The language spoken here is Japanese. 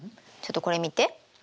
ちょっとこれ見て。